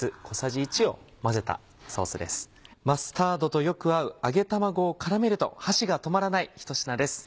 マスタードとよく合う揚げ卵を絡めると箸が止まらない１品です。